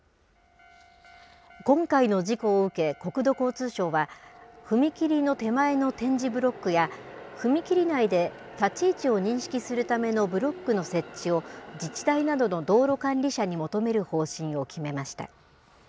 今回の事故を受け、国土交通省は、踏切の手前の点字ブロックや、踏切内で立ち位置を認識するためのブロックの設置を、自治体などの道路管理者に求める方針を決めました。